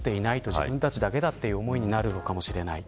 自分たちだけだという思いになるのかもしれない。